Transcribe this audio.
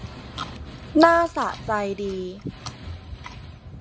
หน้าสะใจดี